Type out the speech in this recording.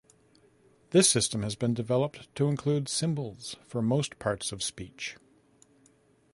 This system has been developed to include symbols for most parts of speech.